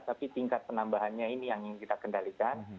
tapi tingkat penambahannya ini yang kita kendalikan